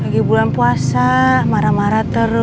lagi bulan puasa marah marah terus